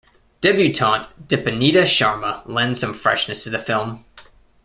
Debutante Dipannita Sharma lends some freshness to the film.